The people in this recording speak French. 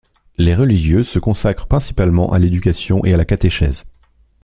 Les religieuses se consacrent principalement à l'éducation et la catéchèse.